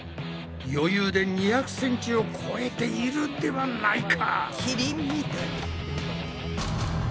余裕で２００ｃｍを超えているではないか！